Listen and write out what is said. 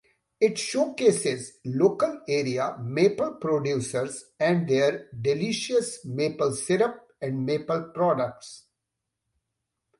It showcases local area maple producers and their delicious maple syrup and maple products.